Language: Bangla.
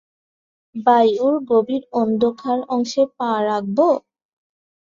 বায়উর গভীর অন্ধকার অংশে পা রাখব?